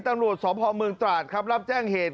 ตังรวจสมภาพเมืองตราดรับแจ้งเหตุ